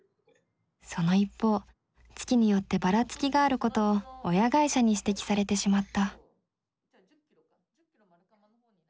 その一方月によってばらつきがあることを親会社に指摘されてしまった。